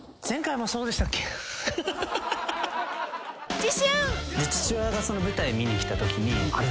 ［次週］